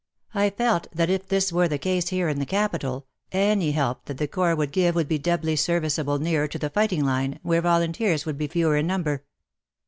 I felt that if this were the case here in the capital, any help that the Corps could give would be doubly serviceable nearer to the fighting line, where volunteers would be fewer in number.